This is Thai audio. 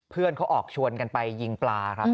เพื่อนเขาออกชวนกันไปยิงปลาครับ